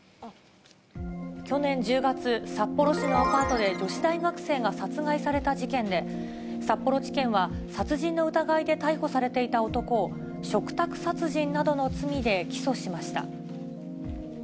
去年１０月、札幌市のアパートで女子大学生が殺害された事件で、札幌地検は、殺人の疑いで逮捕されていた男を、嘱託殺人などの罪で起訴しました。